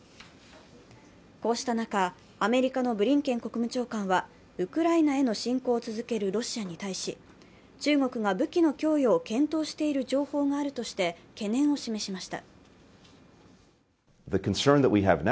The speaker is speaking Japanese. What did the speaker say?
こうした中、アメリカのブリンケン国務長官はウクライナへの侵攻を続けるロシアに対し、中国が武器の供与を検討している情報があるとして懸念を示しました。